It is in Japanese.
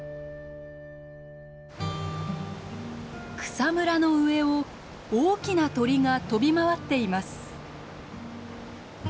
草むらの上を大きな鳥が飛び回っています。